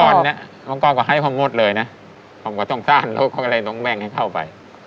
แต่ว่าก่อนเนี่ยพ่อก่อก็ให้พ่อหมดเลยนะผมก็สงสารลูกเขาก็เลยต้องแบ่งให้เข้าไป